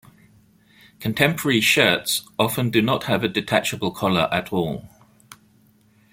Contemporary shirts often do not have a detachable collar at all.